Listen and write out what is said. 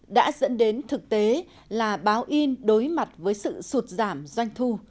đã dẫn đến thực tế là báo in đối mặt với sự sụt giảm doanh thu